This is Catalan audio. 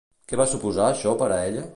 Què va suposar això per a ella?